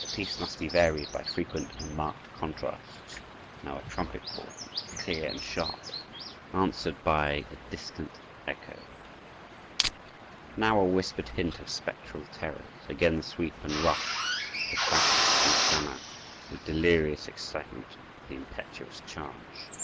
The piece must be varied by frequent and marked contrasts; now a trumpet call, clear and sharp, answered by a distant echo; now a whispered hint of spectral terrors; again the sweep and rush, the clash and clamor, the delirious excitement of the impetuous charge.